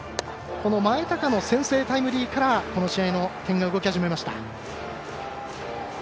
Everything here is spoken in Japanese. この前高の先制タイムリーからこの試合の点が動き始めました。